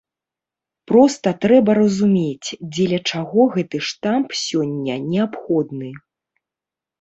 Проста трэба разумець, дзеля чаго гэта штамп сёння неабходны.